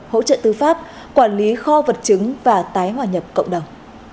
hỗ trợ tư pháp quản lý kho vật chứng và tái hòa nhập cộng đồng